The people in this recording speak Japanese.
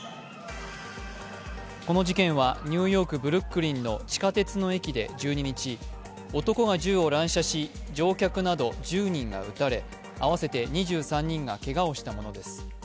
この事件はニューヨーク・ブルックリンの地下鉄の駅で１２日、男が銃を乱射し乗客など１０人が撃たれ合わせて２３人がけがをしたものです。